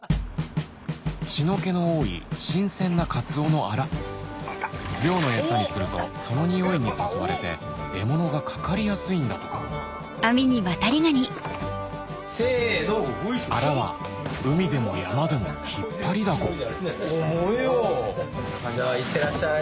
血の気の多い新鮮なカツオのアラ漁の餌にするとそのにおいに誘われて獲物がかかりやすいんだとかアラは海でも山でも引っ張りだこいってらっしゃい。